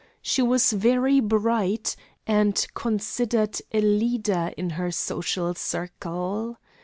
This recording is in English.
She was very bright, and considered a leader in her social circle.